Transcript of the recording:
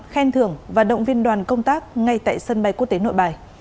khen thưởng và động viên đoàn công tác ngay tại sân bay quốc tế nội bài